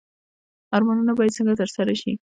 ارمانونه باید څنګه ترسره شي؟